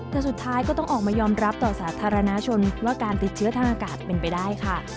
แต่สุดท้ายก็ต้องออกมายอมรับต่อสาธารณชนว่าการติดเชื้อทางอากาศเป็นไปได้ค่ะ